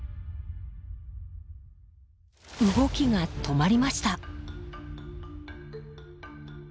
動きが止まりました！